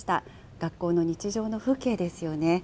学校の日常の風景ですよね。